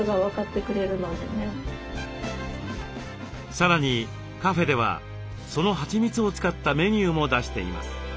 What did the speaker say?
さらにカフェではそのはちみつを使ったメニューも出しています。